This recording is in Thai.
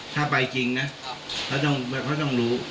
ถ้าไปจริงนะเขาต้องรู้